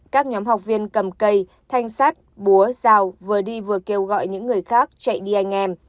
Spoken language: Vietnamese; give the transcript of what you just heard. các nhóm học viên cầm cây thanh sát búa rào vừa đi vừa kêu gọi những người khác chạy đi anh em